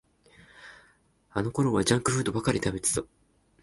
あのころはジャンクフードばかり食べてた